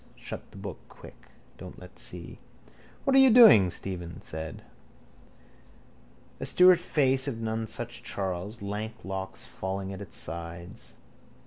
Shut the book quick. Don't let see. —What are you doing? Stephen said. A Stuart face of nonesuch Charles, lank locks falling at its sides.